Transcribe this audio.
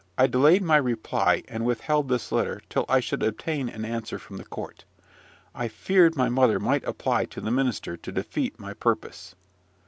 I delayed my reply, and withheld this letter, till I should obtain an answer from the court. I feared my mother might apply to the minister to defeat my purpose.